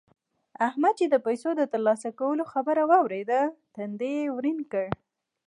احمد چې د پيسو د تر لاسه کولو خبره واورېده؛ تندی يې ورين کړ.